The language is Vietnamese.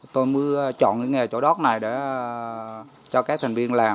tôi mới chọn cái nghề chỗ đót này để cho các thành viên làm